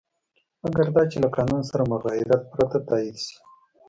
مګر دا چې له قانون سره مغایرت پرته تایید شي.